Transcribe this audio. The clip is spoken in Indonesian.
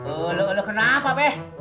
ulu ulu kenapa peh